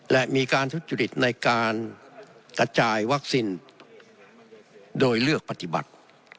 และมีการทุจริตในการกระจายวัคซีนโดยเลือกปฏิบัติ